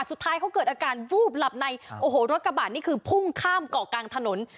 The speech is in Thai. สุดท้ายเขาเกิดอาการวูบหลับในโอ้โหรถกระบาดนี่คือพุ่งข้ามเกาะกลางถนน